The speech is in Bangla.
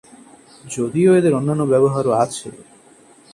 যদিও এদের অন্যান্য ব্যবহারও আছে।